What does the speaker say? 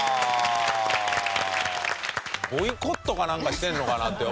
ボイコットかなんかしてるのかなって思って。